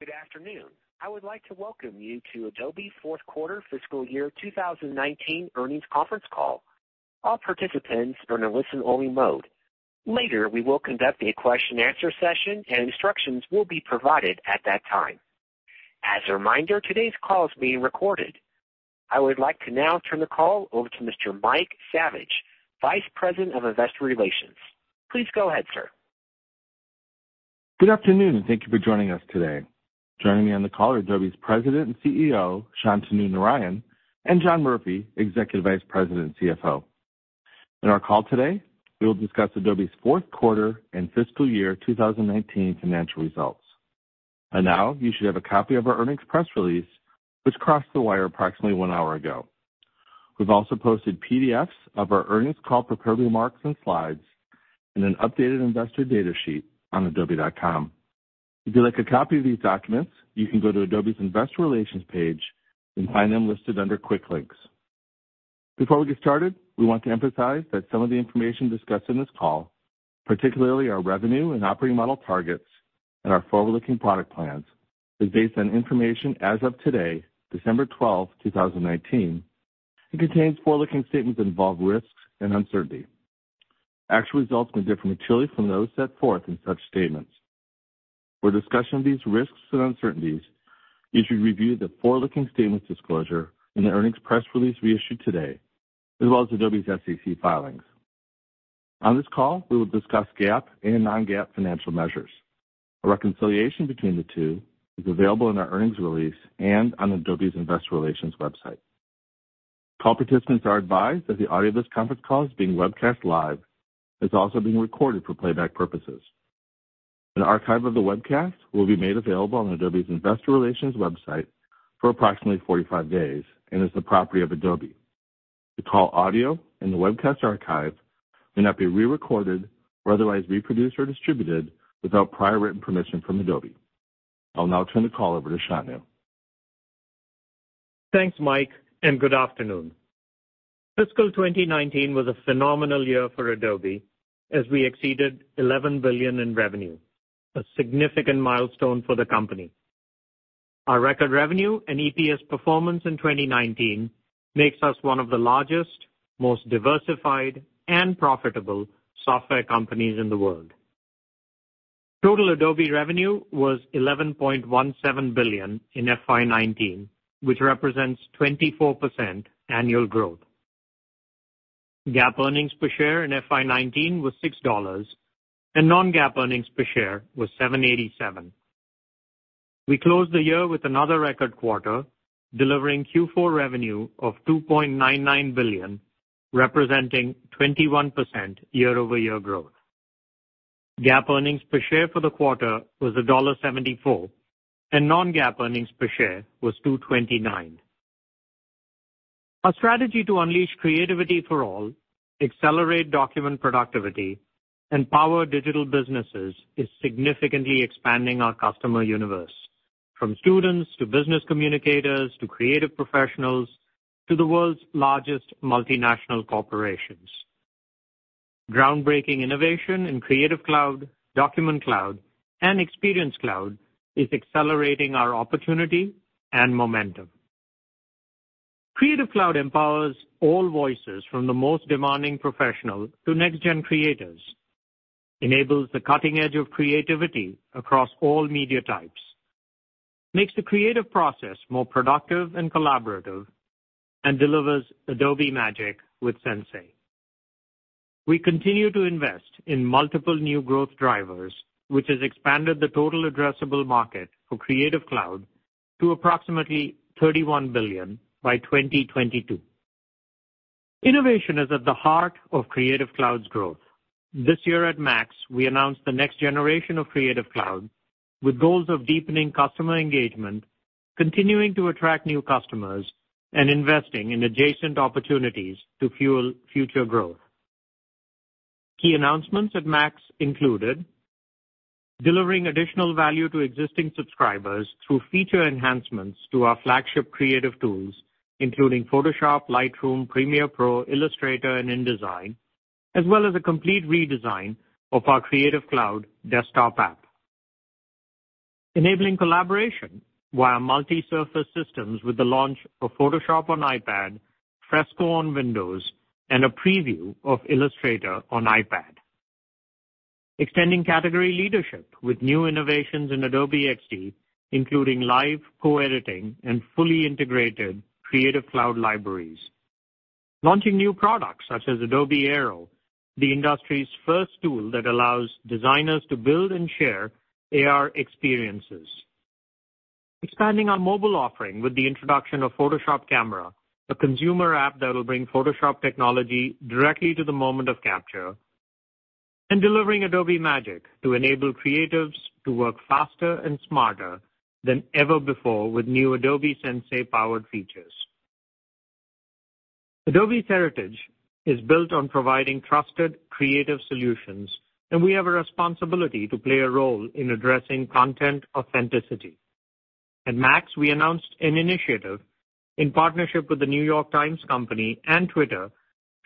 Good afternoon. I would like to welcome you to Adobe's fourth quarter fiscal year 2019 earnings conference call. All participants are in a listen-only mode. Later, we will conduct a question and answer session, and instructions will be provided at that time. As a reminder, today's call is being recorded. I would like to now turn the call over to Mr. Mike Saviage, Vice President of Investor Relations. Please go ahead, sir. Good afternoon, and thank you for joining us today. Joining me on the call are Adobe's President and CEO, Shantanu Narayen, and John Murphy, Executive Vice President and CFO. In our call today, we will discuss Adobe's fourth quarter and fiscal year 2019 financial results. By now, you should have a copy of our earnings press release, which crossed the wire approximately one hour ago. We've also posted PDFs of our earnings call prepared remarks and slides, and an updated investor data sheet on adobe.com. If you'd like a copy of these documents, you can go to Adobe's investor relations page and find them listed under quick links. Before we get started, we want to emphasize that some of the information discussed on this call, particularly our revenue and operating model targets and our forward-looking product plans, is based on information as of today, December 12, 2019, and contains forward-looking statements that involve risks and uncertainty. Actual results may differ materially from those set forth in such statements. For a discussion of these risks and uncertainties, you should review the forward-looking statements disclosure in the earnings press release we issued today, as well as Adobe's SEC filings. On this call, we will discuss GAAP and non-GAAP financial measures. A reconciliation between the two is available in our earnings release and on Adobe's investor relations website. Call participants are advised that the audio of this conference call is being webcast live and is also being recorded for playback purposes. An archive of the webcast will be made available on Adobe's investor relations website for approximately 45 days and is the property of Adobe. The call audio and the webcast archive may not be re-recorded or otherwise reproduced or distributed without prior written permission from Adobe. I will now turn the call over to Shantanu. Thanks, Mike, and good afternoon. FY 2019 was a phenomenal year for Adobe as we exceeded $11 billion in revenue, a significant milestone for the company. Our record revenue and EPS performance in 2019 makes us one of the largest, most diversified, and profitable software companies in the world. Total Adobe revenue was $11.17 billion in FY 2019, which represents 24% annual growth. GAAP earnings per share in FY 2019 was $6, and non-GAAP earnings per share was $7.87. We closed the year with another record quarter, delivering Q4 revenue of $2.99 billion, representing 21% year-over-year growth. GAAP earnings per share for the quarter was $1.74, and non-GAAP earnings per share was $2.29. Our strategy to unleash creativity for all, accelerate document productivity, and power digital businesses is significantly expanding our customer universe, from students to business communicators, to creative professionals, to the world's largest multinational corporations. Groundbreaking innovation in Creative Cloud, Document Cloud, and Experience Cloud is accelerating our opportunity and momentum. Creative Cloud empowers all voices from the most demanding professional to next-gen creators, enables the cutting edge of creativity across all media types, makes the creative process more productive and collaborative, and delivers Adobe Magic with Sensei. We continue to invest in multiple new growth drivers, which has expanded the total addressable market for Creative Cloud to approximately $31 billion by 2022. Innovation is at the heart of Creative Cloud's growth. This year at MAX, we announced the next generation of Creative Cloud with goals of deepening customer engagement, continuing to attract new customers, and investing in adjacent opportunities to fuel future growth. Key announcements at MAX included delivering additional value to existing subscribers through feature enhancements to our flagship creative tools, including Photoshop, Lightroom, Premiere Pro, Illustrator, and InDesign, as well as a complete redesign of our Creative Cloud desktop app. Enabling collaboration via multi-surface systems with the launch of Photoshop on iPad, Fresco on Windows, and a preview of Illustrator on iPad. Extending category leadership with new innovations in Adobe XD, including live co-editing and fully integrated Creative Cloud libraries. Launching new products such as Adobe Aero, the industry's first tool that allows designers to build and share AR experiences. Expanding our mobile offering with the introduction of Photoshop Camera, a consumer app that'll bring Photoshop technology directly to the moment of capture. Delivering Adobe Magic to enable creatives to work faster and smarter than ever before with new Adobe Sensei-powered features. Adobe's heritage is built on providing trusted creative solutions, and we have a responsibility to play a role in addressing content authenticity. At MAX, we announced an initiative in partnership with The New York Times Company and Twitter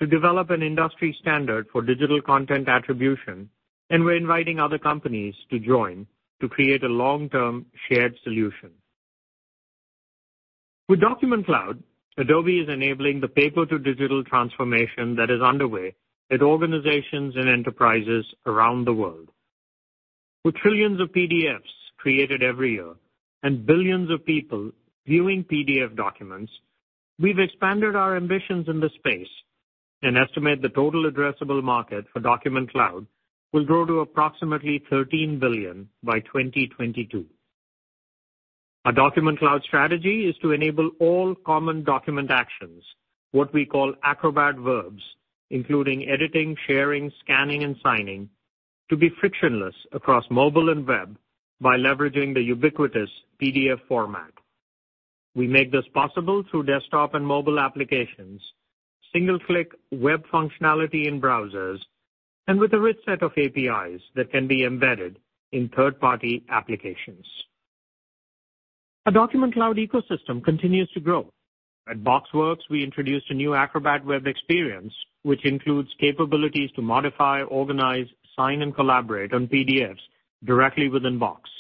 to develop an industry standard for digital content attribution, and we're inviting other companies to join to create a long-term shared solution. With Document Cloud, Adobe is enabling the paper-to-digital transformation that is underway at organizations and enterprises around the world. With trillions of PDFs created every year and billions of people viewing PDF documents, we've expanded our ambitions in this space and estimate the total addressable market for Document Cloud will grow to approximately $13 billion by 2022. Our Document Cloud strategy is to enable all common document actions, what we call Acrobat verbs, including editing, sharing, scanning, and signing, to be frictionless across mobile and web by leveraging the ubiquitous PDF format. We make this possible through desktop and mobile applications, single-click web functionality in browsers, and with a rich set of APIs that can be embedded in third-party applications. Our Document Cloud ecosystem continues to grow. At BoxWorks, we introduced a new Acrobat web experience, which includes capabilities to modify, organize, sign, and collaborate on PDFs directly within Box.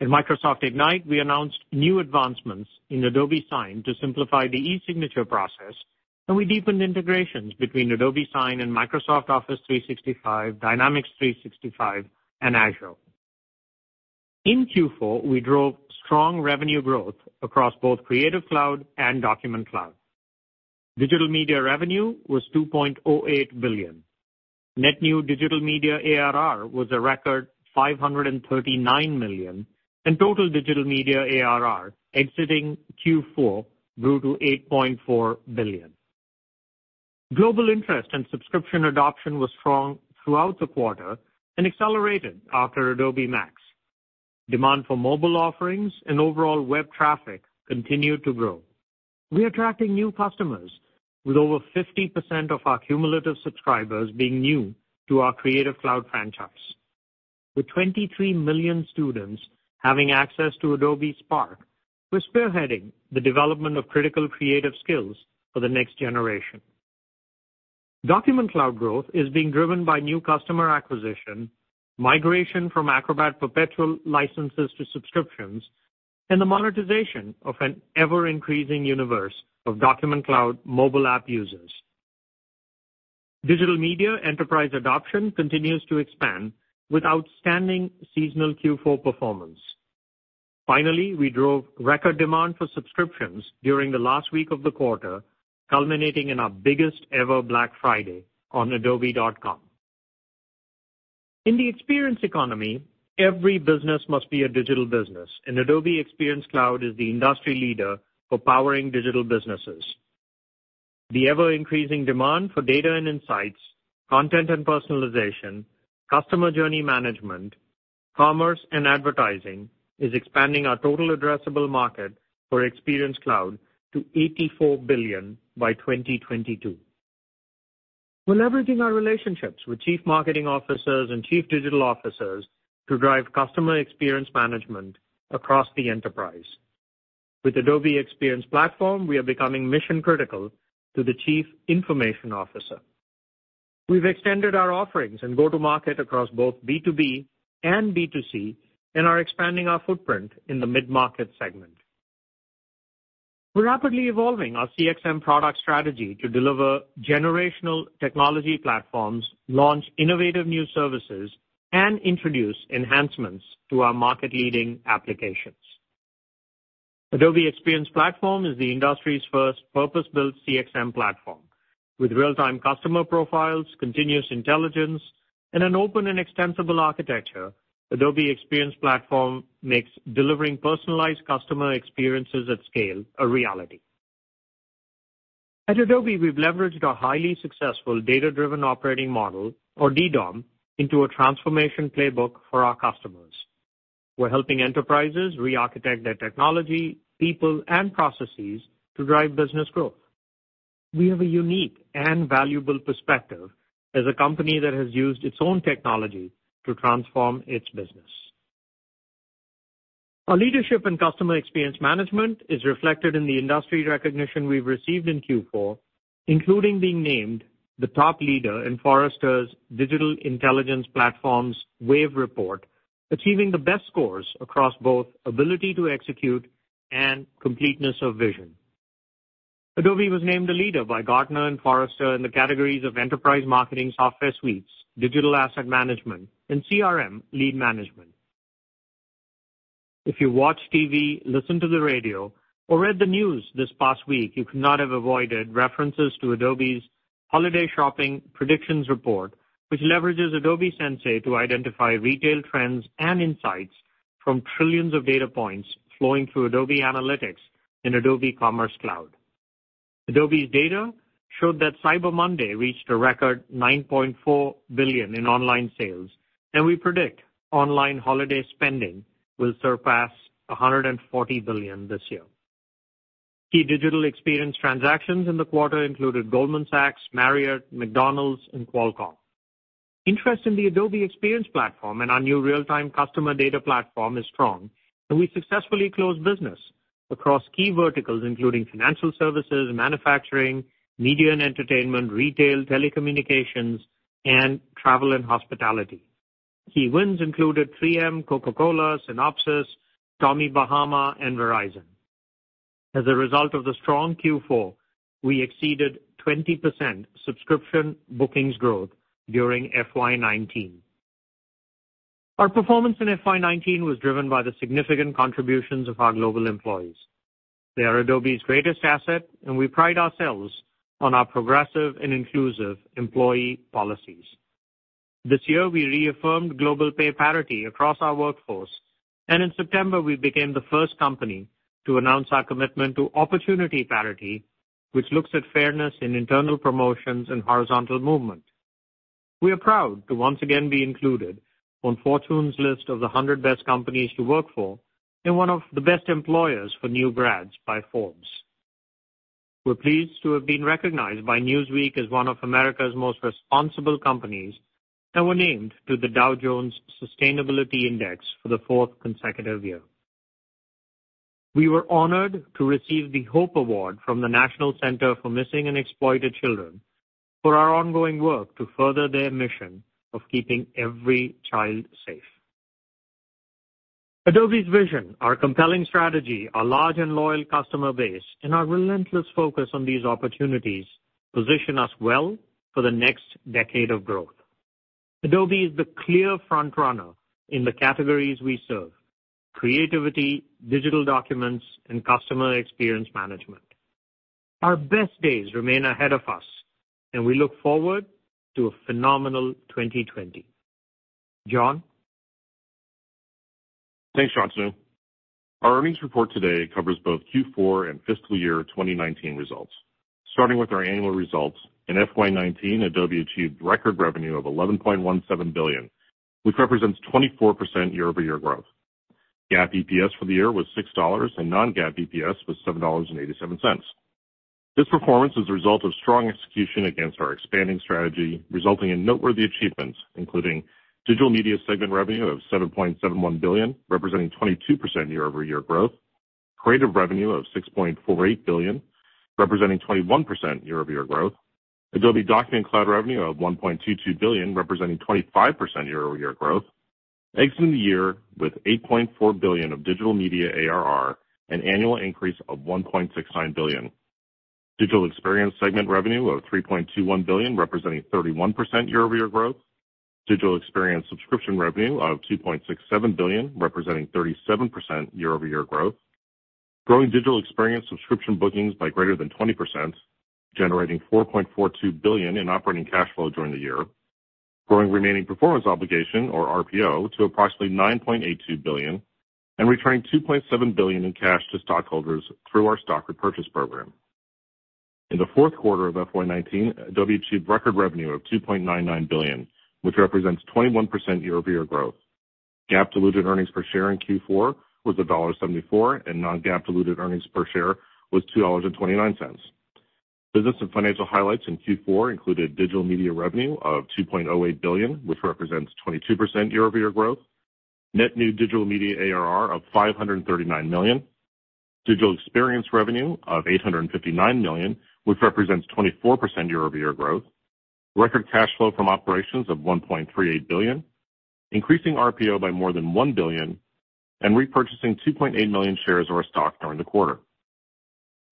At Microsoft Ignite, we announced new advancements in Adobe Sign to simplify the e-signature process, and we deepened integrations between Adobe Sign and Microsoft Office 365, Dynamics 365, and Azure. In Q4, we drove strong revenue growth across both Creative Cloud and Document Cloud. Digital Media revenue was $2.08 billion. Net new Digital Media ARR was a record $539 million, and total Digital Media ARR exiting Q4 grew to $8.4 billion. Global interest in subscription adoption was strong throughout the quarter and accelerated after Adobe MAX. Demand for mobile offerings and overall web traffic continued to grow. We are attracting new customers, with over 50% of our cumulative subscribers being new to our Creative Cloud franchise. With 23 million students having access to Adobe Spark, we're spearheading the development of critical creative skills for the next generation. Document Cloud growth is being driven by new customer acquisition, migration from Acrobat perpetual licenses to subscriptions, and the monetization of an ever-increasing universe of Document Cloud mobile app users. Digital Media enterprise adoption continues to expand with outstanding seasonal Q4 performance. We drove record demand for subscriptions during the last week of the quarter, culminating in our biggest-ever Black Friday on adobe.com. In the experience economy, every business must be a digital business. Adobe Experience Cloud is the industry leader for powering digital businesses. The ever-increasing demand for data and insights, content and personalization, customer journey management, commerce, and advertising is expanding our total addressable market for Experience Cloud to $84 billion by 2022. We're leveraging our relationships with chief marketing officers and chief digital officers to drive customer experience management across the enterprise. With Adobe Experience Platform, we are becoming mission-critical to the chief information officer. We've extended our offerings and go-to-market across both B2B and B2C and are expanding our footprint in the mid-market segment. We're rapidly evolving our CXM product strategy to deliver generational technology platforms, launch innovative new services, and introduce enhancements to our market-leading applications. Adobe Experience Platform is the industry's first purpose-built CXM platform. With real-time customer profiles, continuous intelligence, and an open and extensible architecture, Adobe Experience Platform makes delivering personalized customer experiences at scale a reality. At Adobe, we've leveraged our highly successful data-driven operating model, or DDOM, into a transformation playbook for our customers. We're helping enterprises rearchitect their technology, people, and processes to drive business growth. We have a unique and valuable perspective as a company that has used its own technology to transform its business. Our leadership in customer experience management is reflected in the industry recognition we've received in Q4, including being named the top leader in Forrester's Digital Intelligence Platforms Wave report, achieving the best scores across both ability to execute and completeness of vision. Adobe was named a leader by Gartner and Forrester in the categories of enterprise marketing software suites, digital asset management, and CRM lead management. If you watch TV, listen to the radio, or read the news this past week, you could not have avoided references to Adobe's Holiday Shopping Predictions report, which leverages Adobe Sensei to identify retail trends and insights from trillions of data points flowing through Adobe Analytics in Adobe Commerce Cloud. Adobe's data showed that Cyber Monday reached a record $9.4 billion in online sales, and we predict online holiday spending will surpass $140 billion this year. Key digital experience transactions in the quarter included Goldman Sachs, Marriott, McDonald's, and Qualcomm. Interest in the Adobe Experience Platform and our new real-time customer data platform is strong, and we successfully closed business across key verticals, including financial services, manufacturing, media and entertainment, retail, telecommunications, and travel and hospitality. Key wins included 3M, Coca-Cola, Synopsys, Tommy Bahama, and Verizon. As a result of the strong Q4, we exceeded 20% subscription bookings growth during FY 2019. Our performance in FY 2019 was driven by the significant contributions of our global employees. They are Adobe's greatest asset, and we pride ourselves on our progressive and inclusive employee policies. This year, we reaffirmed global pay parity across our workforce, and in September, we became the first company to announce our commitment to opportunity parity, which looks at fairness in internal promotions and horizontal movement. We are proud to once again be included on Fortune's list of the 100 best companies to work for and one of the best employers for new grads by Forbes. We're pleased to have been recognized by Newsweek as one of America's most responsible companies, and were named to the Dow Jones Sustainability Index for the fourth consecutive year. We were honored to receive the Hope Award from the National Center for Missing & Exploited Children for our ongoing work to further their mission of keeping every child safe. Adobe's vision, our compelling strategy, our large and loyal customer base, and our relentless focus on these opportunities position us well for the next decade of growth. Adobe is the clear frontrunner in the categories we serve, creativity, digital documents, and customer experience management. Our best days remain ahead of us and we look forward to a phenomenal 2020. John? Thanks, Shantanu. Our earnings report today covers both Q4 and fiscal year 2019 results. Starting with our annual results, in FY 2019, Adobe achieved record revenue of $11.17 billion, which represents 24% year-over-year growth. GAAP EPS for the year was $6, and non-GAAP EPS was $7.87. This performance is a result of strong execution against our expanding strategy, resulting in noteworthy achievements, including Digital Media segment revenue of $7.71 billion, representing 22% year-over-year growth. Creative revenue of $6.48 billion, representing 21% year-over-year growth. Adobe Document Cloud revenue of $1.22 billion, representing 25% year-over-year growth. Exiting the year with $8.4 billion of Digital Media ARR, an annual increase of $1.69 billion. Digital Experience segment revenue of $3.21 billion, representing 31% year-over-year growth. Digital Experience subscription revenue of $2.67 billion, representing 37% year-over-year growth. Growing Digital Experience subscription bookings by greater than 20%, generating $4.42 billion in operating cash flow during the year. Growing remaining performance obligation, or RPO, to approximately $9.82 billion and returning $2.7 billion in cash to stockholders through our stock repurchase program. In the fourth quarter of FY 2019, Adobe achieved record revenue of $2.99 billion, which represents 21% year-over-year growth. GAAP diluted earnings per share in Q4 was $1.74, and non-GAAP diluted earnings per share was $2.29. Business and financial highlights in Q4 included Digital Media revenue of $2.08 billion, which represents 22% year-over-year growth. Net new Digital Media ARR of $539 million. Digital Experience revenue of $859 million, which represents 24% year-over-year growth. Record cash flow from operations of $1.38 billion, increasing RPO by more than $1 billion and repurchasing 2.8 million shares of our stock during the quarter.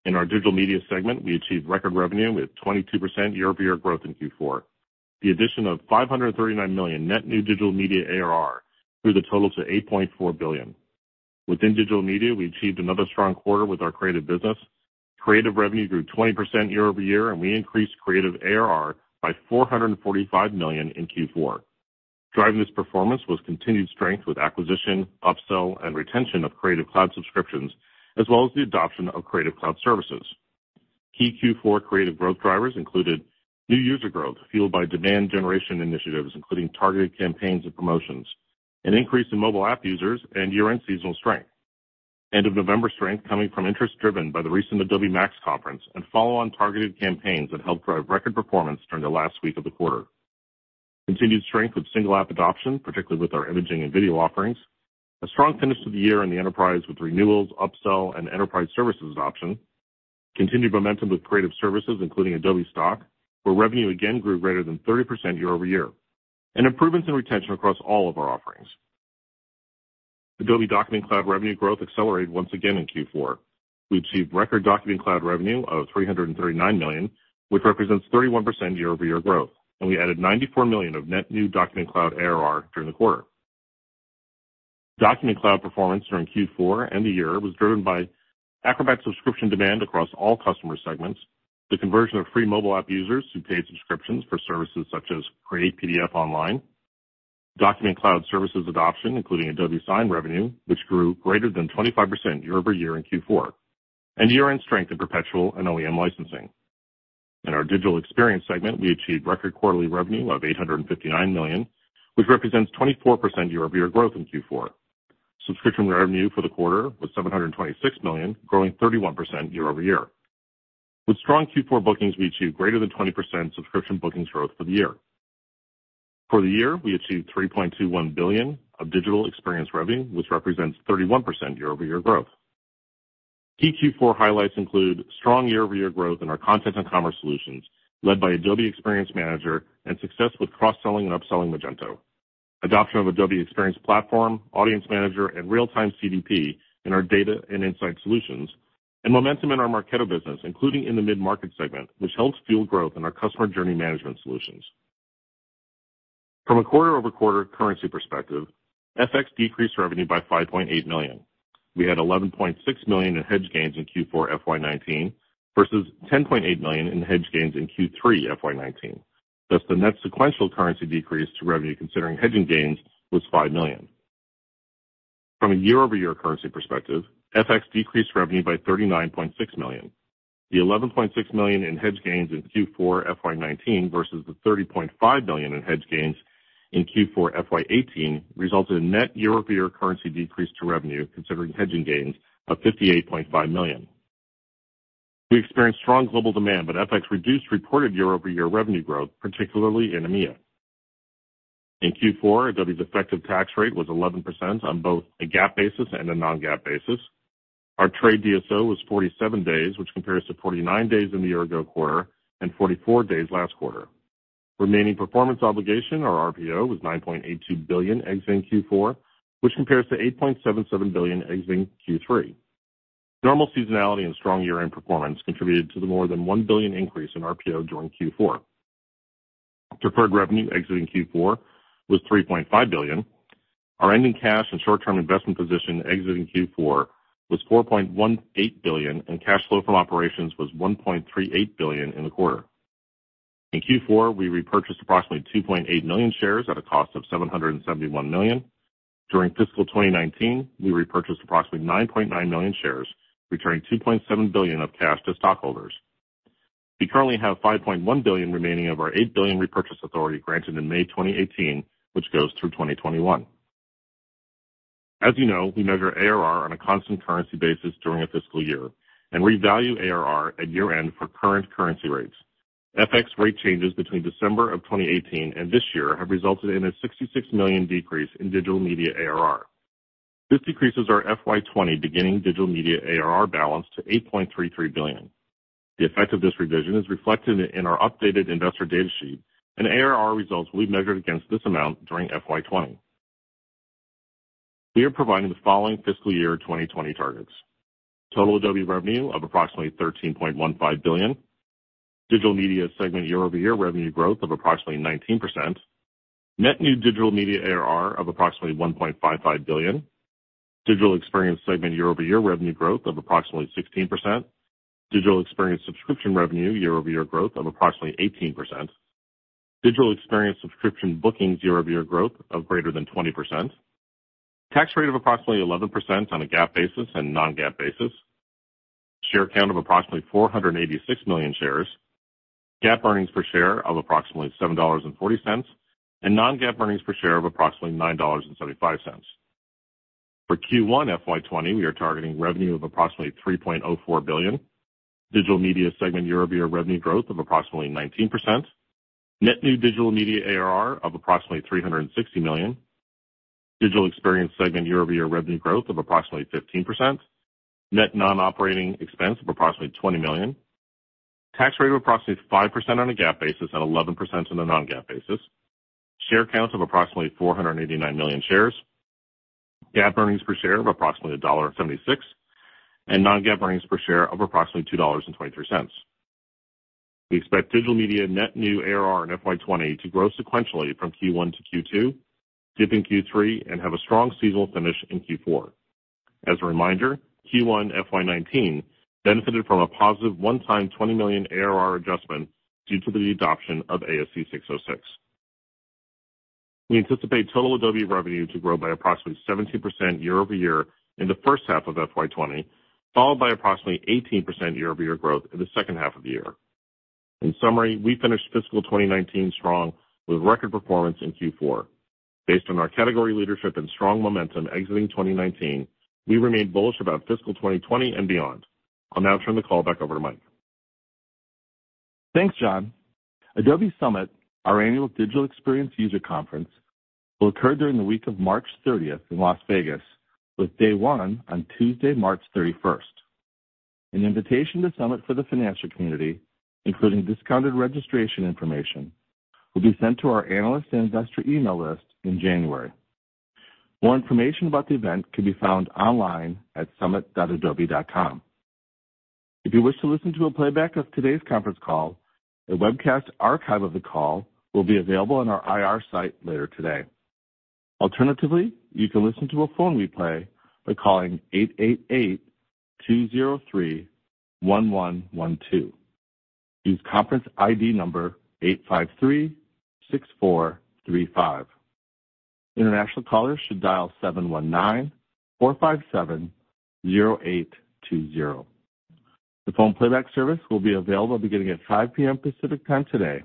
In our Digital Media segment, we achieved record revenue with 22% year-over-year growth in Q4. The addition of $539 million net new Digital Media ARR grew the total to $8.4 billion. Within Digital Media, we achieved another strong quarter with our creative business. Creative revenue grew 20% year-over-year, and we increased creative ARR by $445 million in Q4. Driving this performance was continued strength with acquisition, upsell, and retention of Creative Cloud subscriptions, as well as the adoption of Creative Cloud services. Key Q4 creative growth drivers included new user growth fueled by demand generation initiatives, including targeted campaigns and promotions, an increase in mobile app users and year-end seasonal strength. End-of-November strength coming from interest driven by the recent Adobe MAX conference and follow-on targeted campaigns that helped drive record performance during the last week of the quarter. Continued strength with single app adoption, particularly with our imaging and video offerings. A strong finish to the year in the enterprise with renewals, upsell, and enterprise services adoption. Continued momentum with creative services, including Adobe Stock, where revenue again grew greater than 30% year-over-year. Improvements in retention across all of our offerings. Adobe Document Cloud revenue growth accelerated once again in Q4. We achieved record Document Cloud revenue of $339 million, which represents 31% year-over-year growth, and we added $94 million of net new Document Cloud ARR during the quarter. Document Cloud performance during Q4 and the year was driven by Acrobat subscription demand across all customer segments, the conversion of free mobile app users to paid subscriptions for services such as Create PDF Online, Document Cloud services adoption including Adobe Sign revenue, which grew greater than 25% year-over-year in Q4, and year-end strength in perpetual and OEM licensing. In our Digital Experience segment, we achieved record quarterly revenue of $859 million, which represents 24% year-over-year growth in Q4. Subscription revenue for the quarter was $726 million, growing 31% year-over-year. With strong Q4 bookings, we achieved greater than 20% subscription bookings growth for the year. For the year, we achieved $3.21 billion of Digital Experience revenue, which represents 31% year-over-year growth. Key Q4 highlights include strong year-over-year growth in our content and commerce solutions, led by Adobe Experience Manager, and success with cross-selling and upselling Magento, adoption of Adobe Experience Platform, Audience Manager, and real-time CDP in our data and insight solutions, and momentum in our Marketo business, including in the mid-market segment, which helps fuel growth in our customer journey management solutions. From a quarter-over-quarter currency perspective, FX decreased revenue by $5.8 million. We had $11.6 million in hedge gains in Q4 FY 2019 versus $10.8 million in hedge gains in Q3 FY 2019, thus the net sequential currency decrease to revenue considering hedging gains was $5 million. From a year-over-year currency perspective, FX decreased revenue by $39.6 million. The $11.6 million in hedge gains in Q4 FY 2019 versus the $30.5 million in hedge gains in Q4 FY 2018 resulted in net year-over-year currency decrease to revenue considering hedging gains of $58.5 million. We experienced strong global demand, but FX reduced reported year-over-year revenue growth, particularly in EMEA. In Q4, Adobe's effective tax rate was 11% on both a GAAP basis and a non-GAAP basis. Our trade DSO was 47 days, which compares to 49 days in the year-ago quarter and 44 days last quarter. Remaining performance obligation, or RPO, was $9.82 billion exiting Q4, which compares to $8.77 billion exiting Q3. Normal seasonality and strong year-end performance contributed to the more than $1 billion increase in RPO during Q4. Deferred revenue exiting Q4 was $3.5 billion. Our ending cash and short-term investment position exiting Q4 was $4.18 billion, and cash flow from operations was $1.38 billion in the quarter. In Q4, we repurchased approximately 2.8 million shares at a cost of $771 million. During fiscal 2019, we repurchased approximately 9.9 million shares, returning $2.7 billion of cash to stockholders. We currently have $5.1 billion remaining of our $8 billion repurchase authority granted in May 2018, which goes through 2021. As you know, we measure ARR on a constant currency basis during a fiscal year and revalue ARR at year-end for current currency rates. FX rate changes between December of 2018 and this year have resulted in a $66 million decrease in Digital Media ARR. This decreases our FY 2020 beginning Digital Media ARR balance to $8.33 billion. The effect of this revision is reflected in our updated investor data sheet and ARR results will be measured against this amount during FY 2020. We are providing the following fiscal year 2020 targets. Total Adobe revenue of approximately $13.15 billion. Digital Media segment year-over-year revenue growth of approximately 19%. Net new Digital Media ARR of approximately $1.55 billion. Digital Experience segment year-over-year revenue growth of approximately 16%. Digital Experience subscription revenue year-over-year growth of approximately 18%. Digital Experience subscription bookings year-over-year growth of greater than 20%. Tax rate of approximately 11% on a GAAP basis and non-GAAP basis. Share count of approximately 486 million shares. GAAP earnings per share of approximately $7.40. Non-GAAP earnings per share of approximately $9.75. For Q1 FY 2020, we are targeting revenue of approximately $3.04 billion. Digital Media segment year-over-year revenue growth of approximately 19%. Net new Digital Media ARR of approximately $360 million. Digital Experience segment year-over-year revenue growth of approximately 15%. Net non-operating expense of approximately $20 million. Tax rate of approximately 5% on a GAAP basis and 11% on a non-GAAP basis. Share counts of approximately 489 million shares. GAAP earnings per share of approximately $1.76. Non-GAAP earnings per share of approximately $2.23. We expect Digital Media net new ARR in FY 2020 to grow sequentially from Q1 to Q2, dip in Q3, and have a strong seasonal finish in Q4. As a reminder, Q1 FY 2019 benefited from a positive one-time $20 million ARR adjustment due to the adoption of ASC 606. We anticipate total Adobe revenue to grow by approximately 17% year-over-year in the first half of FY 2020, followed by approximately 18% year-over-year growth in the second half of the year. In summary, we finished fiscal 2019 strong with record performance in Q4. Based on our category leadership and strong momentum exiting 2019, we remain bullish about fiscal 2020 and beyond. I'll now turn the call back over to Mike. Thanks, John. Adobe Summit, our annual digital experience user conference, will occur during the week of March 30th in Las Vegas, with day one on Tuesday, March 31st. An invitation to Summit for the financial community, including discounted registration information, will be sent to our analyst and investor email list in January. More information about the event can be found online at summit.adobe.com. If you wish to listen to a playback of today's conference call, a webcast archive of the call will be available on our IR site later today. Alternatively, you can listen to a phone replay by calling 888-203-1112. Use conference ID number 8536435. International callers should dial 719-457-0820. The phone playback service will be available beginning at 5:00 P.M. Pacific Time today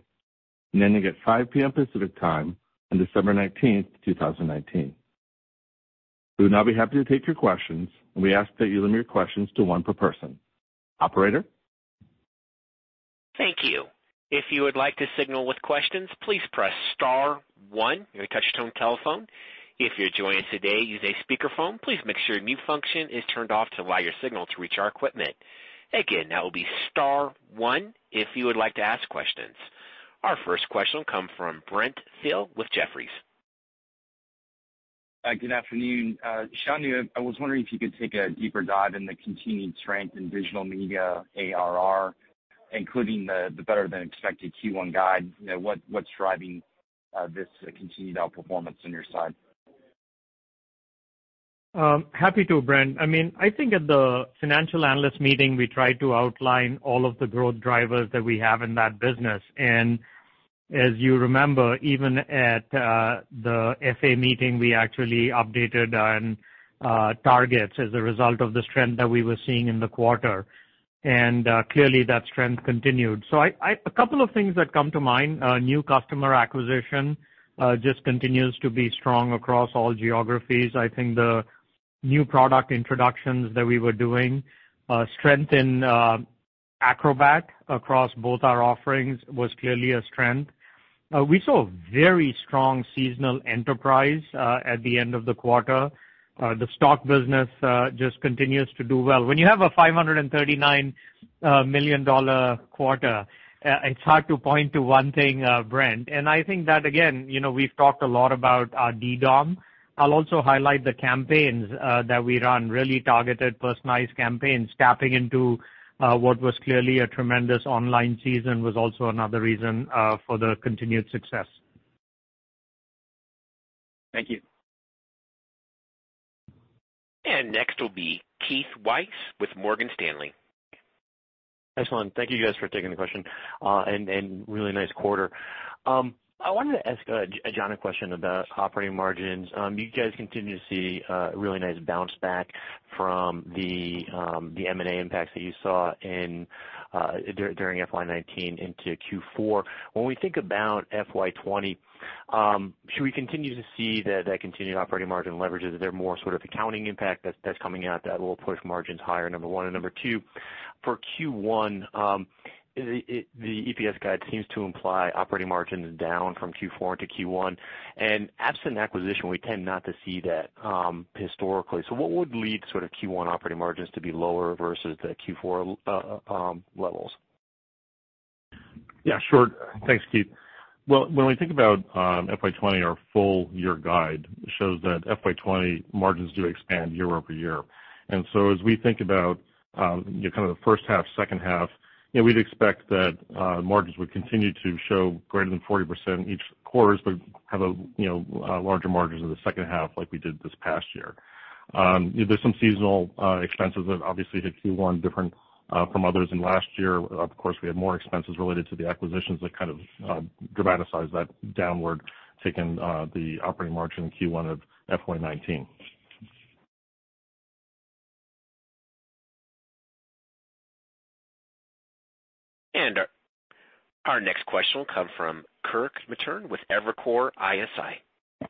and ending at 5:00 P.M. Pacific Time on December 19th, 2019. We will now be happy to take your questions, and we ask that you limit your questions to one per person. Operator? Thank you. If you would like to signal with questions, please press star one on your touch-tone telephone. If you're joining us today using a speakerphone, please make sure your mute function is turned off to allow your signal to reach our equipment. Again, that will be star one if you would like to ask questions. Our first question will come from Brent Thill with Jefferies. Good afternoon. Shantanu, I was wondering if you could take a deeper dive in the continued strength in Digital Media ARR, including the better-than-expected Q1 guide. What's driving this continued outperformance on your side? Happy to, Brent. I think at the Financial Analyst meeting, we tried to outline all of the growth drivers that we have in that business. As you remember, even at the FA meeting, we actually updated on targets as a result of this trend that we were seeing in the quarter. Clearly, that trend continued. A couple of things that come to mind. New customer acquisition just continues to be strong across all geographies. I think the new product introductions that we were doing, strength in Acrobat across both our offerings was clearly a strength. We saw very strong seasonal enterprise at the end of the quarter. The stock business just continues to do well. When you have a $539 million quarter, it's hard to point to one thing, Brent. I think that, again, we've talked a lot about our DDOM. I'll also highlight the campaigns that we run, really targeted, personalized campaigns, tapping into what was clearly a tremendous online season was also another reason for the continued success. Thank you. Next will be Keith Weiss with Morgan Stanley. Thanks a lot. Thank you guys for taking the question, and really nice quarter. I wanted to ask John a question about operating margins. You guys continue to see a really nice bounce back from the M&A impacts that you saw during FY 2019 into Q4. When we think about FY 2020, should we continue to see that continued operating margin leverage? Is there more sort of accounting impact that's coming out that will push margins higher, number one? Number two, for Q1, the EPS guide seems to imply operating margins down from Q4 into Q1. Absent acquisition, we tend not to see that historically. What would lead sort of Q1 operating margins to be lower versus the Q4 levels? Yeah, sure. Thanks, Keith. When we think about FY 2020, our full-year guide shows that FY 2020 margins do expand year-over-year. As we think about kind of the first half, second half, we'd expect that margins would continue to show greater than 40% in each quarter, but have larger margins in the second half like we did this past year. There's some seasonal expenses that obviously hit Q1 different from others in last year. Of course, we had more expenses related to the acquisitions that kind of dramatized that downward tick in the operating margin in Q1 of FY 2019. Our next question will come from Kirk Materne with Evercore ISI.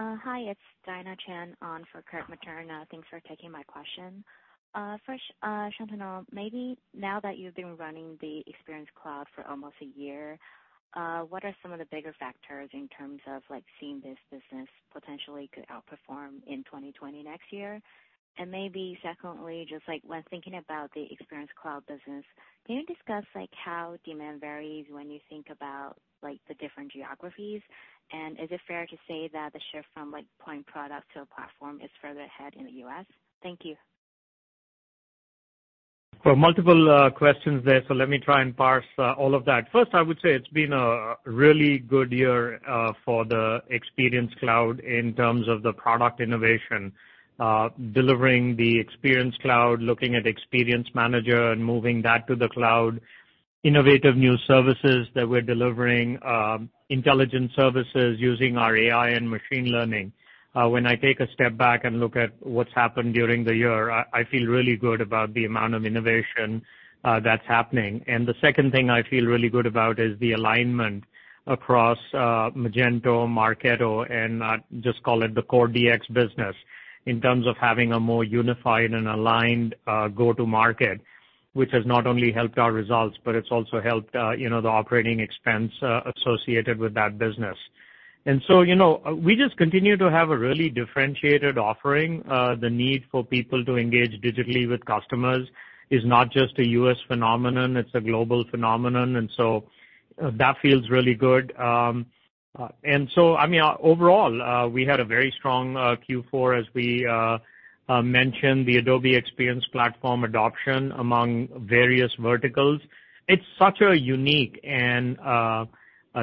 Hi, it's Dianna Chu on for Kirk Materne. Thanks for taking my question. First, Shantanu, maybe now that you've been running the Experience Cloud for almost one year, what are some of the bigger factors in terms of seeing this business potentially could outperform in 2020 next year? Maybe secondly, just when thinking about the Experience Cloud business, can you discuss how demand varies when you think about the different geographies? Is it fair to say that the shift from point product to a platform is further ahead in the U.S.? Thank you. Well, multiple questions there, let me try and parse all of that. First, I would say it's been a really good year for the Experience Cloud in terms of the product innovation, delivering the Experience Cloud, looking at Experience Manager, and moving that to the cloud, innovative new services that we're delivering, intelligent services using our AI and machine learning. When I take a step back and look at what's happened during the year, I feel really good about the amount of innovation that's happening. The second thing I feel really good about is the alignment across Magento, Marketo, and just call it the core DX business in terms of having a more unified and aligned go-to-market, which has not only helped our results, but it's also helped the operating expense associated with that business. We just continue to have a really differentiated offering. The need for people to engage digitally with customers is not just a U.S. phenomenon, it's a global phenomenon. That feels really good. Overall, we had a very strong Q4. As we mentioned, the Adobe Experience Platform adoption among various verticals, it's such a unique and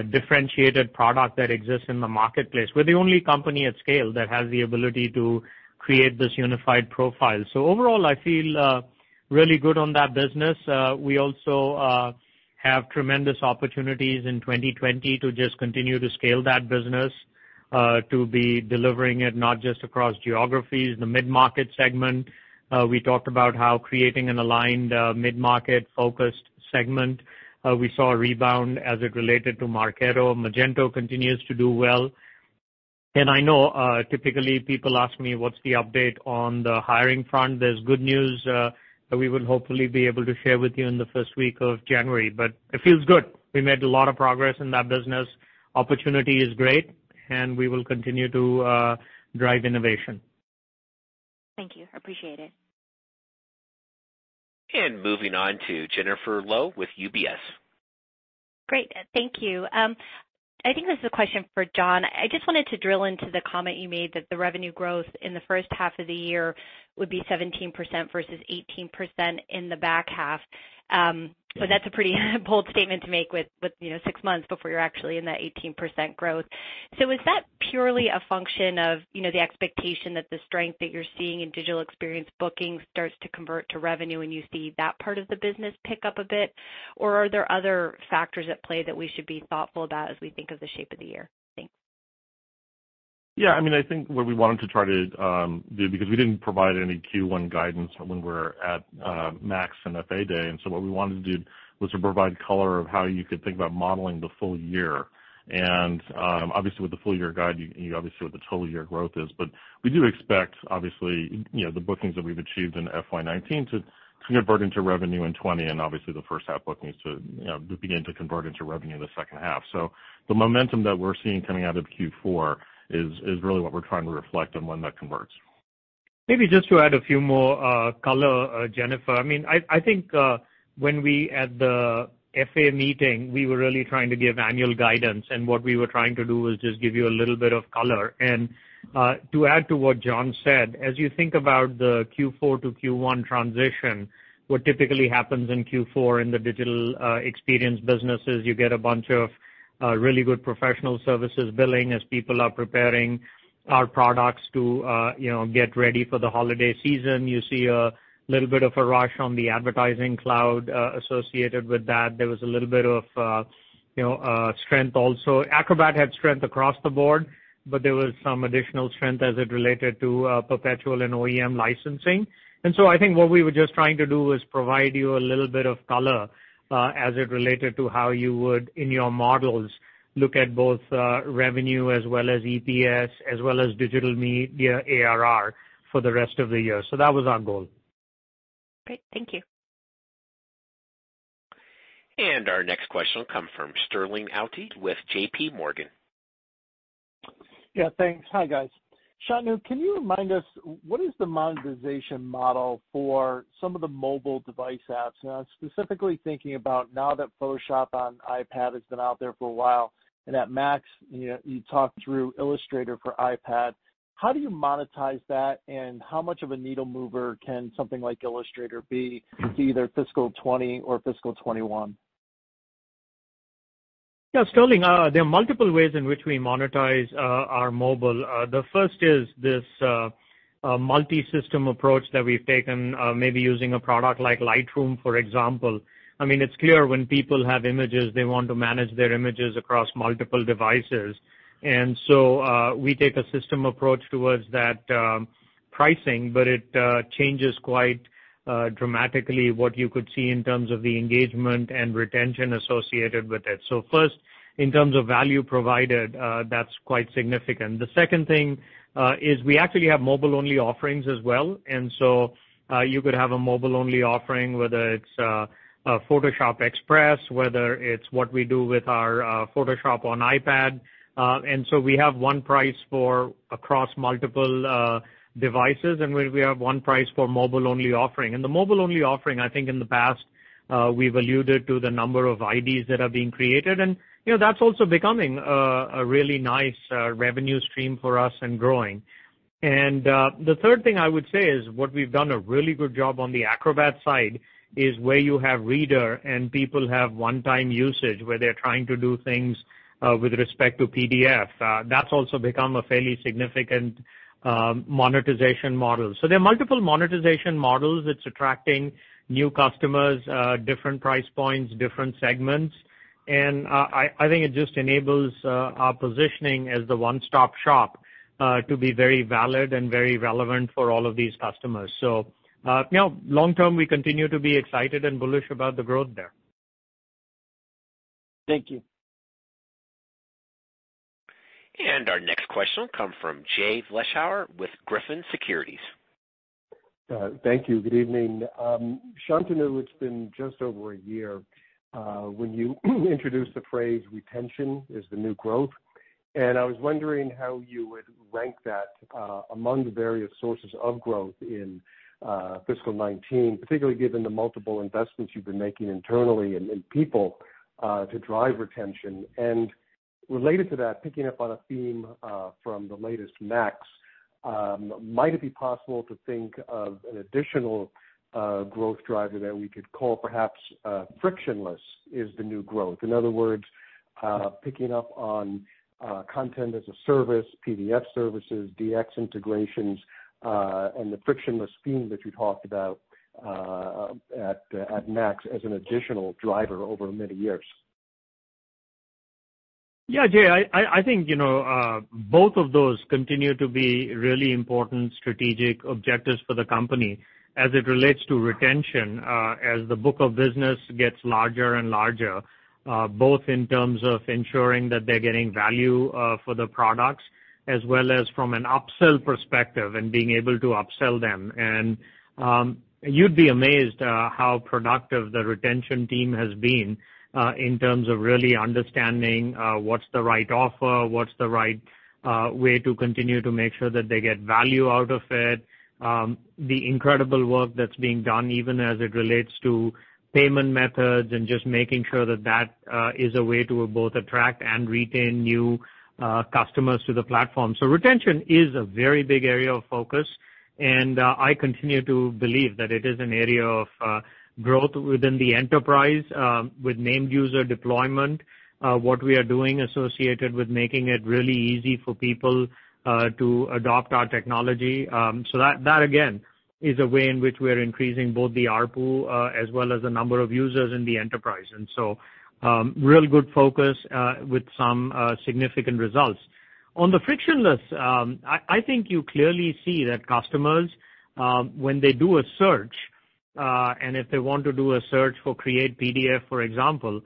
differentiated product that exists in the marketplace. We're the only company at scale that has the ability to create this unified profile. Overall, I feel really good on that business. We also have tremendous opportunities in 2020 to just continue to scale that business, to be delivering it not just across geographies, the mid-market segment. We talked about how creating an aligned mid-market focused segment. We saw a rebound as it related to Marketo. Magento continues to do well. I know, typically people ask me what's the update on the hiring front. There's good news that we will hopefully be able to share with you in the first week of January. It feels good. We made a lot of progress in that business. Opportunity is great. We will continue to drive innovation. Thank you. Appreciate it. Moving on to Jennifer Lowe with UBS. Great. Thank you. I think this is a question for John. I just wanted to drill into the comment you made that the revenue growth in the first half of the year would be 17% versus 18% in the back half. That's a pretty bold statement to make with six months before you're actually in that 18% growth. Is that purely a function of the expectation that the strength that you're seeing in Digital Experience bookings starts to convert to revenue, and you see that part of the business pick up a bit? Or are there other factors at play that we should be thoughtful about as we think of the shape of the year? Thanks. Yeah. I think what we wanted to try to do, because we didn't provide any Q1 guidance when we were at MAX and FA Day, what we wanted to do was to provide color of how you could think about modeling the full year. Obviously with the full year guide, you obviously know what the total year growth is. We do expect, obviously, the bookings that we've achieved in FY 2019 to convert into revenue in 2020, and obviously the first half bookings to begin to convert into revenue in the second half. The momentum that we're seeing coming out of Q4 is really what we're trying to reflect on when that converts. Maybe just to add a few more color, Jennifer. I think, when we at the Financial Analyst meeting, we were really trying to give annual guidance, and what we were trying to do was just give you a little bit of color. To add to what John said, as you think about the Q4 to Q1 transition, what typically happens in Q4 in the Digital Experience business is you get a bunch of really good professional services billing as people are preparing our products to get ready for the holiday season. You see a little bit of a rush on the Advertising Cloud associated with that. There was a little bit of strength also. Acrobat had strength across the board, but there was some additional strength as it related to perpetual and OEM licensing. I think what we were just trying to do was provide you a little bit of color, as it related to how you would, in your models, look at both revenue as well as EPS, as well as Digital Media ARR for the rest of the year. That was our goal. Great. Thank you. Our next question will come from Sterling Auty with JP Morgan. Yeah, thanks. Hi, guys. Shantanu, can you remind us, what is the monetization model for some of the mobile device apps? I was specifically thinking about now that Photoshop on iPad has been out there for a while, and at MAX, you talked through Illustrator for iPad. How do you monetize that, and how much of a needle mover can something like Illustrator be to either fiscal 2020 or fiscal 2021? Yeah, Sterling, there are multiple ways in which we monetize our mobile. The first is this multi-system approach that we've taken, maybe using a product like Lightroom, for example. It's clear when people have images, they want to manage their images across multiple devices. We take a system approach towards that pricing, but it changes quite dramatically what you could see in terms of the engagement and retention associated with it. First, in terms of value provided, that's quite significant. The second thing is we actually have mobile-only offerings as well, and so, you could have a mobile-only offering, whether it's Photoshop Express, whether it's what we do with our Photoshop on iPad. We have one price for across multiple devices, and we have one price for mobile-only offering. The mobile-only offering, I think in the past, we've alluded to the number of IDs that are being created, and that's also becoming a really nice revenue stream for us and growing. The third thing I would say is what we've done a really good job on the Acrobat side is where you have Reader and people have one-time usage where they're trying to do things with respect to PDF. That's also become a fairly significant monetization model. There are multiple monetization models. It's attracting new customers, different price points, different segments. I think it just enables our positioning as the one-stop shop to be very valid and very relevant for all of these customers. Long term, we continue to be excited and bullish about the growth there. Thank you. Our next question will come from Jay Vleeschhouwer with Griffin Securities. Thank you. Good evening. Shantanu, it's been just over a year, when you introduced the phrase, "Retention is the new growth." I was wondering how you would rank that among the various sources of growth in fiscal 2019, particularly given the multiple investments you've been making internally and in people, to drive retention. Related to that, picking up on a theme from the latest MAX, might it be possible to think of an additional growth driver that we could call perhaps frictionless is the new growth? In other words, picking up on content as a service, PDF services, DX integrations, and the frictionless theme that you talked about at MAX as an additional driver over many years. Yeah, Jay, I think both of those continue to be really important strategic objectives for the company as it relates to retention, as the book of business gets larger and larger, both in terms of ensuring that they're getting value for the products as well as from an upsell perspective and being able to upsell them. You'd be amazed how productive the retention team has been in terms of really understanding what's the right offer, what's the right way to continue to make sure that they get value out of it, the incredible work that's being done, even as it relates to payment methods and just making sure that that is a way to both attract and retain new customers to the platform. Retention is a very big area of focus, and I continue to believe that it is an area of growth within the enterprise with named user deployment, what we are doing associated with making it really easy for people to adopt our technology. That, again, is a way in which we are increasing both the ARPU as well as the number of users in the enterprise. Real good focus with some significant results. On the frictionless, I think you clearly see that customers, when they do a search, and if they want to do a search for Create PDF, for example,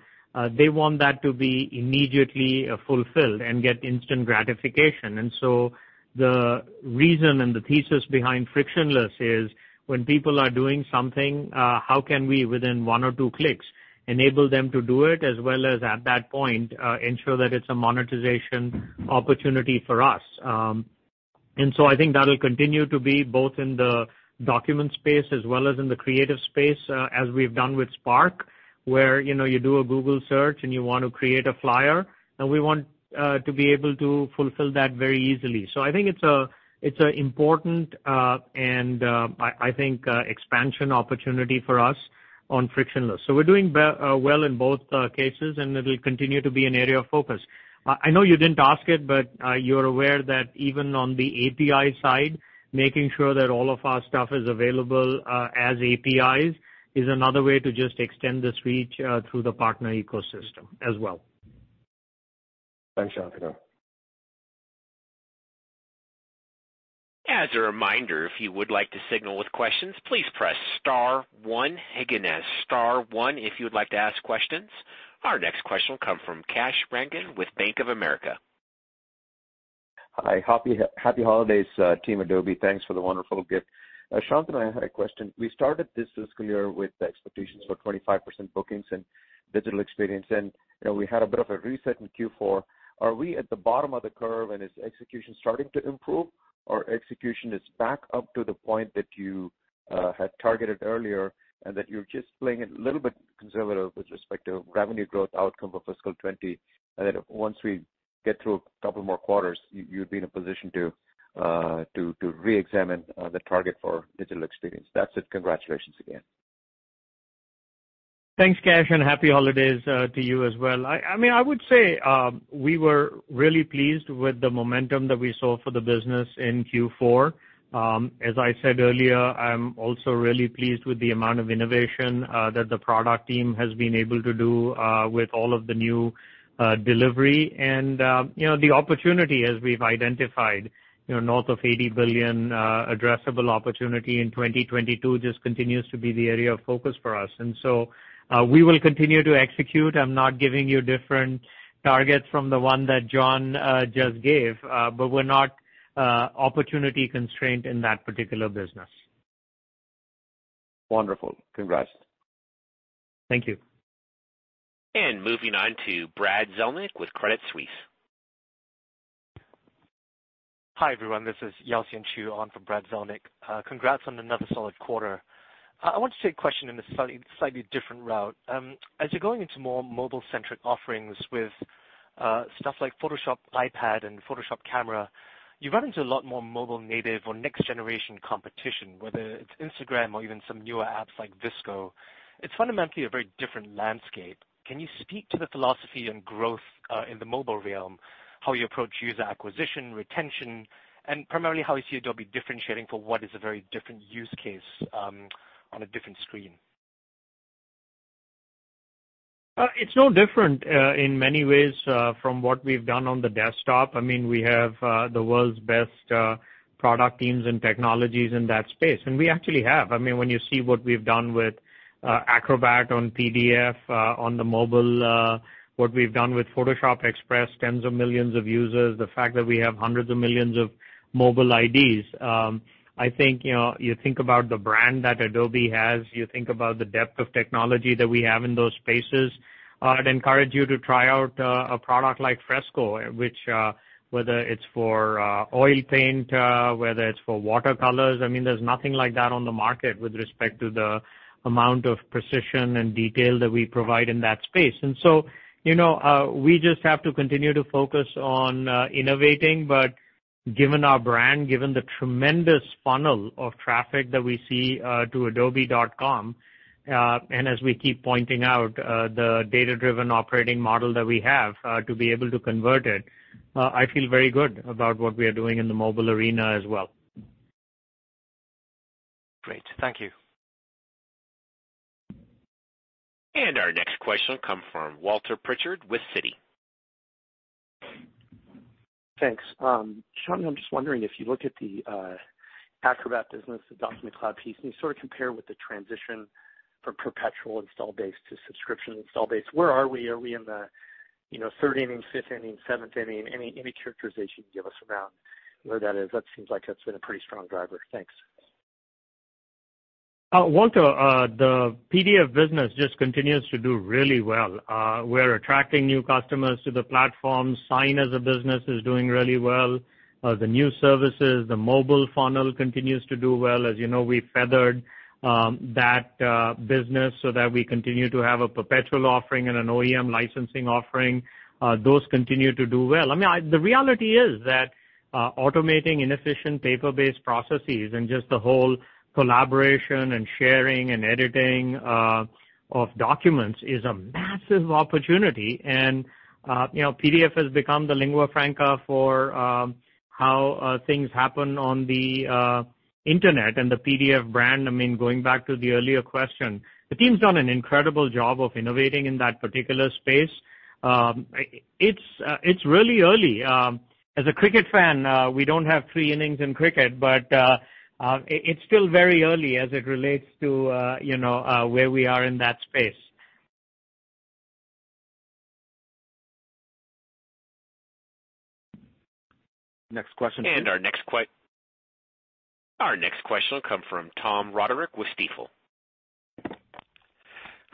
they want that to be immediately fulfilled and get instant gratification. The reason and the thesis behind frictionless is when people are doing something, how can we, within one or two clicks, enable them to do it as well as at that point, ensure that it's a monetization opportunity for us. I think that'll continue to be both in the document space as well as in the creative space, as we've done with Spark, where you do a Google search and you want to create a flyer, and we want to be able to fulfill that very easily. I think it's important and I think expansion opportunity for us on frictionless. We're doing well in both cases, and it'll continue to be an area of focus. I know you didn't ask it, but you're aware that even on the API side, making sure that all of our stuff is available as APIs is another way to just extend this reach through the partner ecosystem as well. Thanks, Shantanu. As a reminder, if you would like to signal with questions, please press star one. Again, that's star one if you would like to ask questions. Our next question will come from Kash Rangan with Bank of America. Hi, happy holidays, team Adobe. Thanks for the wonderful gift. Shantanu, I had a question. We started this fiscal year with expectations for 25% bookings in Digital Experience, and we had a bit of a reset in Q4. Are we at the bottom of the curve, and is execution starting to improve, or execution is back up to the point that you had targeted earlier and that you're just playing it a little bit conservative with respect to revenue growth outcome of fiscal 2020, and then once we get through a couple more quarters, you'd be in a position to reexamine the target for Digital Experience? That's it. Congratulations again. Thanks, Kash, and happy holidays to you as well. I would say we were really pleased with the momentum that we saw for the business in Q4. As I said earlier, I'm also really pleased with the amount of innovation that the product team has been able to do with all of the new delivery. The opportunity, as we've identified, north of 80 billion addressable opportunity in 2022 just continues to be the area of focus for us. We will continue to execute. I'm not giving you different targets from the one that John just gave, but we're not opportunity-constrained in that particular business. Wonderful. Congrats. Thank you. Moving on to Brad Zelnick with Credit Suisse. Hi, everyone. This is Yao Xian Chu on for Brad Zelnick. Congrats on another solid quarter. I wanted to take a question in a slightly different route. As you're going into more mobile-centric offerings with stuff like Photoshop iPad and Photoshop Camera, you run into a lot more mobile native or next generation competition, whether it's Instagram or even some newer apps like VSCO. It's fundamentally a very different landscape. Can you speak to the philosophy and growth in the mobile realm, how you approach user acquisition, retention, primarily how you see Adobe differentiating for what is a very different use case on a different screen? It's no different in many ways from what we've done on the desktop. We have the world's best product teams and technologies in that space. We actually have. When you see what we've done with Acrobat on PDF on the mobile, what we've done with Photoshop Express, tens of millions of users, the fact that we have hundreds of millions of mobile IDs. You think about the brand that Adobe has, you think about the depth of technology that we have in those spaces. I'd encourage you to try out a product like Fresco, which whether it's for oil paint, whether it's for watercolors, there's nothing like that on the market with respect to the amount of precision and detail that we provide in that space. We just have to continue to focus on innovating, but given our brand, given the tremendous funnel of traffic that we see to adobe.com, and as we keep pointing out, the data-driven operating model that we have to be able to convert it, I feel very good about what we are doing in the mobile arena as well. Great. Thank you. Our next question comes from Walter Pritchard with Citi. Thanks. Shantanu, I'm just wondering, if you look at the Acrobat Business, the Document Cloud piece, and you sort of compare with the transition from perpetual install base to subscription install base, where are we? Are we in the third inning, fifth inning, seventh inning? Any characterization you can give us around where that is? That seems like that's been a pretty strong driver. Thanks. Walter, the PDF business just continues to do really well. We're attracting new customers to the platform. Sign as a business is doing really well. The new services, the mobile funnel continues to do well. As you know, we feathered that business so that we continue to have a perpetual offering and an OEM licensing offering. Those continue to do well. The reality is that automating inefficient paper-based processes and just the whole collaboration and sharing and editing of documents is a massive opportunity. PDF has become the lingua franca for how things happen on the internet. The PDF brand, going back to the earlier question, the team's done an incredible job of innovating in that particular space. It's really early. As a cricket fan, we don't have three innings in cricket, but it's still very early as it relates to where we are in that space. Next question, please. Our next question will come from Tom Roderick with Stifel.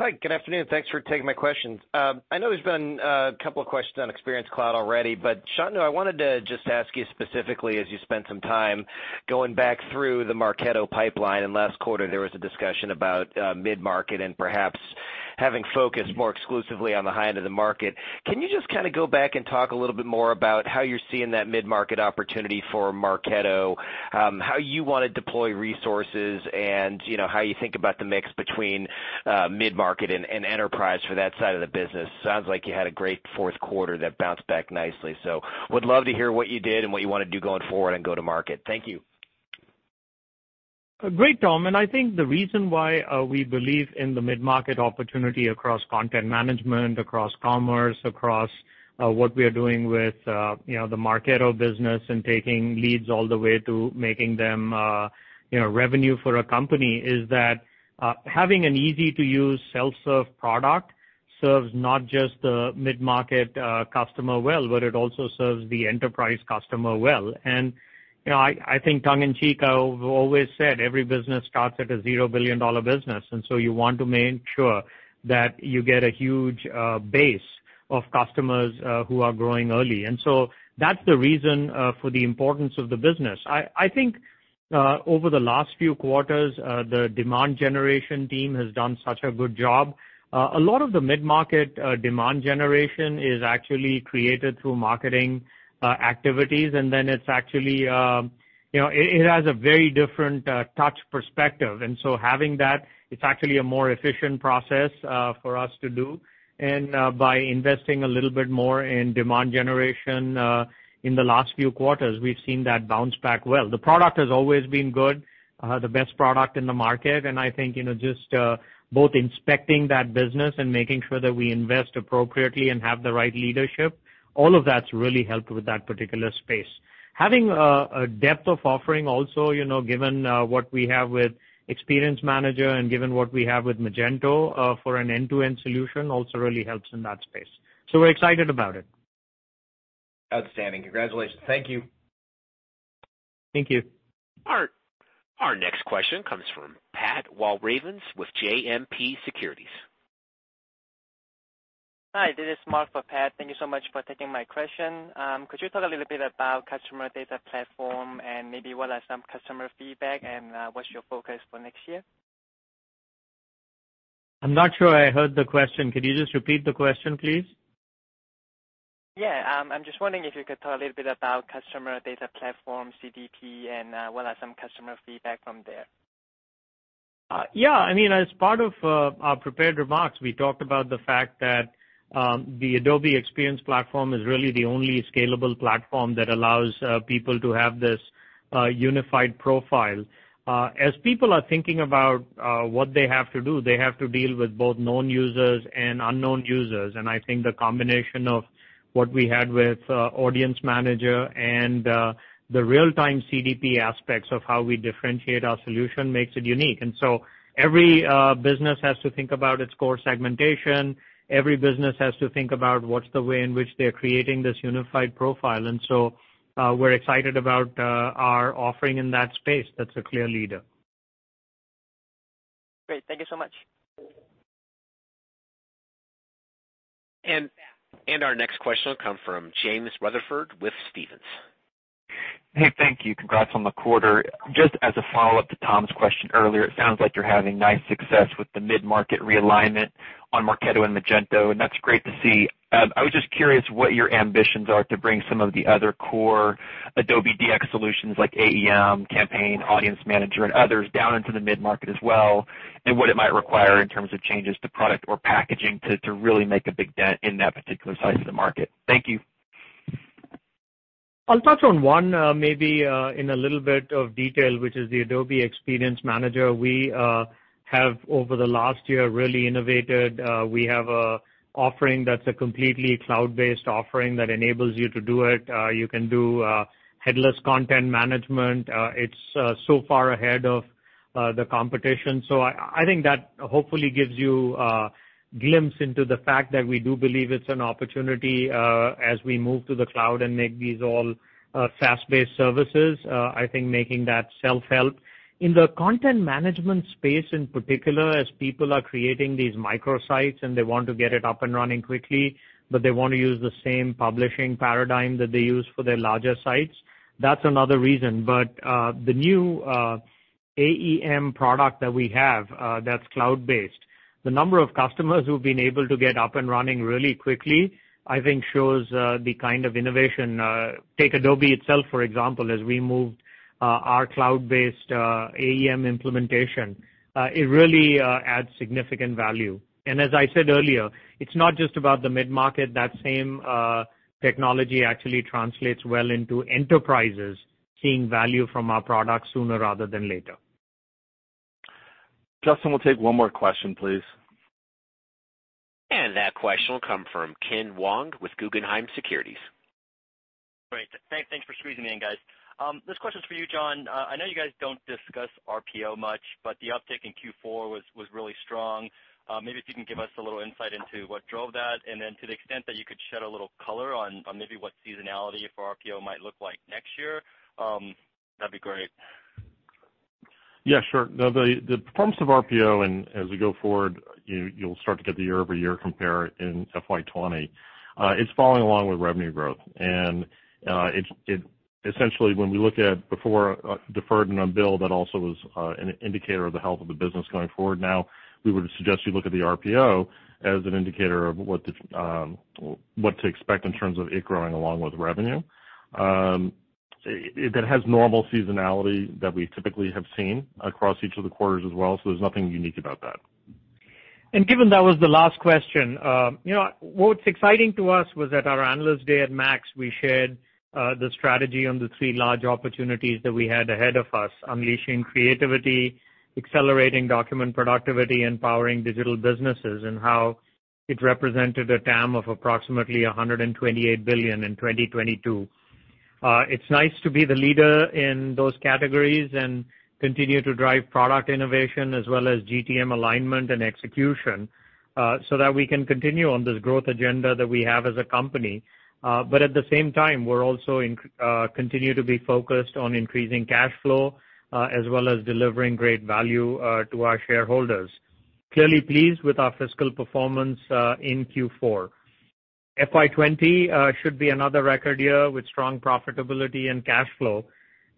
Hi. Good afternoon. Thanks for taking my questions. I know there's been a couple of questions on Experience Cloud already. Shantanu, I wanted to just ask you specifically, as you spent some time going back through the Marketo pipeline, and last quarter, there was a discussion about mid-market and perhaps having focus more exclusively on the high end of the market. Can you just kind of go back and talk a little bit more about how you're seeing that mid-market opportunity for Marketo, how you want to deploy resources, and how you think about the mix between mid-market and enterprise for that side of the business? Sounds like you had a great fourth quarter that bounced back nicely. Would love to hear what you did and what you want to do going forward and go-to-market. Thank you. Great, Tom. I think the reason why we believe in the mid-market opportunity across content management, across commerce, across what we are doing with the Marketo business and taking leads all the way to making them revenue for a company, is that having an easy-to-use self-serve product serves not just the mid-market customer well, but it also serves the enterprise customer well. I think tongue in cheek, I've always said every business starts at a zero billion-dollar business, you want to make sure that you get a huge base of customers who are growing early. That's the reason for the importance of the business. I think over the last few quarters, the demand generation team has done such a good job. A lot of the mid-market demand generation is actually created through marketing activities, it has a very different touch perspective. Having that, it's actually a more efficient process for us to do. By investing a little bit more in demand generation in the last few quarters, we've seen that bounce back well. The product has always been good, the best product in the market. I think just both inspecting that business and making sure that we invest appropriately and have the right leadership, all of that's really helped with that particular space. Having a depth of offering also, given what we have with Experience Manager and given what we have with Magento for an end-to-end solution, also really helps in that space. We're excited about it. Outstanding. Congratulations. Thank you. Thank you. Our next question comes from Pat Walravens with JMP Securities. Hi, this is Mark for Pat. Thank you so much for taking my question. Could you talk a little bit about customer data platform and maybe what are some customer feedback, and what's your focus for next year? I'm not sure I heard the question. Could you just repeat the question, please? Yeah. I'm just wondering if you could talk a little bit about customer data platform, CDP, and what are some customer feedback from there? Yeah. As part of our prepared remarks, we talked about the fact that the Adobe Experience Platform is really the only scalable platform that allows people to have this unified profile. As people are thinking about what they have to do, they have to deal with both known users and unknown users. I think the combination of what we had with Audience Manager and the real-time CDP aspects of how we differentiate our solution makes it unique. Every business has to think about its core segmentation. Every business has to think about what's the way in which they're creating this unified profile. We're excited about our offering in that space. That's a clear leader. Great. Thank you so much. Our next question will come from James Rutherford with Stephens. Hey, thank you. Congrats on the quarter. Just as a follow-up to Tom's question earlier, it sounds like you're having nice success with the mid-market realignment on Marketo and Magento, and that's great to see. I was just curious what your ambitions are to bring some of the other core Adobe DX solutions like AEM, Campaign, Audience Manager, and others down into the mid-market as well, and what it might require in terms of changes to product or packaging to really make a big dent in that particular size of the market. Thank you. I'll touch on one maybe in a little bit of detail, which is the Adobe Experience Manager. We have, over the last year, really innovated. We have an offering that's a completely cloud-based offering that enables you to do it. You can do headless content management. It's so far ahead of the competition. I think that hopefully gives you a glimpse into the fact that we do believe it's an opportunity as we move to the cloud and make these all SaaS-based services, I think making that self-help. In the content management space in particular, as people are creating these microsites and they want to get it up and running quickly, they want to use the same publishing paradigm that they use for their larger sites, that's another reason. The new Adobe Experience Manager product that we have that's cloud-based, the number of customers who've been able to get up and running really quickly, I think shows the kind of innovation. Take Adobe itself, for example, as we moved our cloud-based Adobe Experience Manager implementation, it really adds significant value. As I said earlier, it's not just about the mid-market. That same technology actually translates well into enterprises seeing value from our product sooner rather than later. Justin, we'll take one more question, please. That question will come from Kenneth Wong with Guggenheim Securities. Great. Thanks for squeezing me in, guys. This question is for you, John. I know you guys don't discuss RPO much, but the uptick in Q4 was really strong. Maybe if you can give us a little insight into what drove that, and then to the extent that you could shed a little color on maybe what seasonality for RPO might look like next year, that'd be great. Yeah, sure. The performance of RPO and as we go forward, you'll start to get the year-over-year compare in FY 2020. It's following along with revenue growth. Essentially, when we look at before deferred and unbilled, that also was an indicator of the health of the business going forward. We would suggest you look at the RPO as an indicator of what to expect in terms of it growing along with revenue. It has normal seasonality that we typically have seen across each of the quarters as well, so there's nothing unique about that. Given that was the last question, what's exciting to us was at our Analyst Day at MAX, we shared the strategy on the three large opportunities that we had ahead of us, unleashing creativity, accelerating document productivity, and powering digital businesses, and how it represented a TAM of approximately $128 billion in 2022. It's nice to be the leader in those categories and continue to drive product innovation as well as GTM alignment and execution so that we can continue on this growth agenda that we have as a company. At the same time, we're also continue to be focused on increasing cash flow as well as delivering great value to our shareholders. Clearly pleased with our fiscal performance in Q4. FY 2020 should be another record year with strong profitability and cash flow.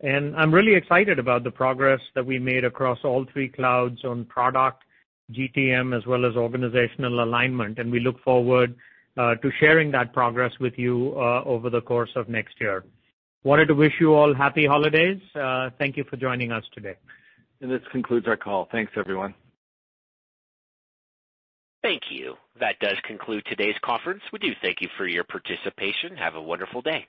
I'm really excited about the progress that we made across all three clouds on product, GTM, as well as organizational alignment. We look forward to sharing that progress with you over the course of next year. I wanted to wish you all happy holidays. Thank you for joining us today. This concludes our call. Thanks, everyone. Thank you. That does conclude today's conference. We do thank you for your participation. Have a wonderful day.